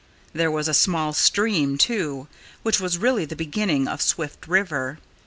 There was a small stream, too, which was really the beginning of Swift River.